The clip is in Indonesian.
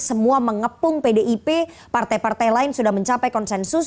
semua mengepung pdip partai partai lain sudah mencapai konsensus